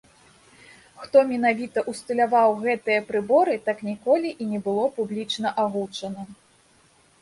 Хто менавіта ўсталяваў гэтыя прыборы, так ніколі і не было публічна агучана.